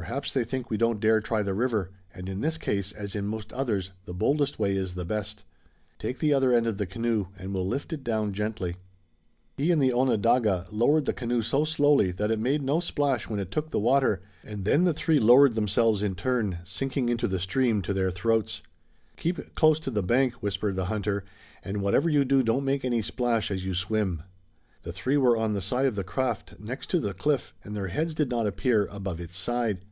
"Perhaps they think we don't dare try the river, and in this case as in most others the boldest way is the best. Take the other end of the canoe, and we'll lift it down gently." He and the Onondaga lowered the canoe so slowly that it made no splash when it took the water, and then the three lowered themselves in turn, sinking into the stream to their throats. "Keep close to the bank," whispered the hunter, "and whatever you do don't make any splash as you swim." The three were on the side of the craft next to the cliff and their heads did not appear above its side.